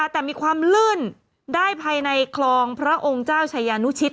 แต่มีความลื่นได้ภายในคลองพระองค์เจ้าชายานุชิต